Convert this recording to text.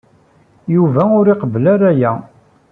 Yuba ur iqebbel ara aya.